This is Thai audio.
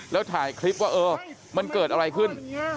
แล้วถ่ายคลิปว่าเออมันเกิดอะไรขึ้น